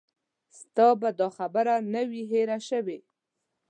ستا به دا خبره نه وي هېره شوې.